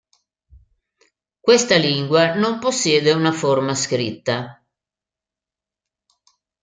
Questa lingua non possiede una forma scritta.